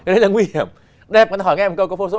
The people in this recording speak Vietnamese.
đấy là nguy hiểm